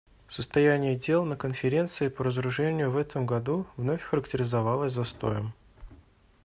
Состояние дел на Конференции по разоружению в этом году вновь характеризовалось застоем.